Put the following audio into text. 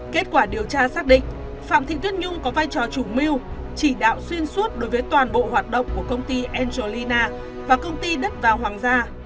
kết quả điều tra xác định phạm thị tuyết nhung có vai trò chủ mưu chỉ đạo xuyên suốt đối với toàn bộ hoạt động của công ty angelina và công ty đất vàng hoàng gia